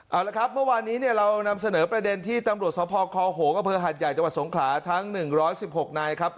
เอาละครับเมื่อวานนี้เรานำเสนอประเด็นที่ตำรวจสภคอโหงอำเภอหัดใหญ่จังหวัดสงขลาทั้ง๑๑๖นายครับ